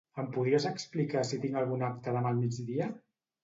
Em podries explicar si tinc algun acte demà al migdia?